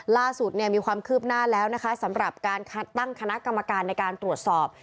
ล่าสุดเนี่ยมีความคืบหน้าแล้วนะคะสำหรับการตั้งคณะกรรมการในการตรวจสอบ